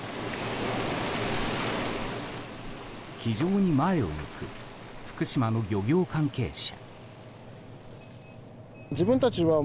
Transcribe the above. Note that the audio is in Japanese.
気丈に前を向く福島の漁業関係者。